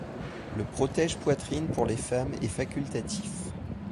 Le protège poitrine pour les femmes est facultatif.